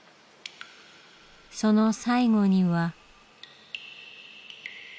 その最後には。